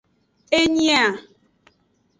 Enyi a.